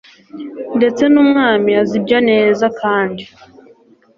ndetse n umwami azi ibyo neza kandi